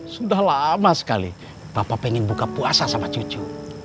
sudah lama sekali papa pengen buka puasa sama cucu